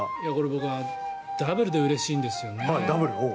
僕はダブルでうれしいんですよね。